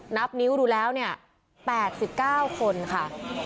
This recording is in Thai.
นับนิ้วดูแล้วเนี่ยแปดสิบเก้าคนค่ะ